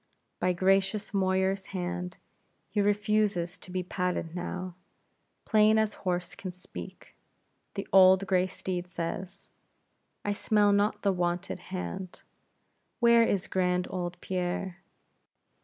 By gracious Moyar's hand, he refuses to be patted now; plain as horse can speak, the old gray steed says "I smell not the wonted hand; where is grand old Pierre?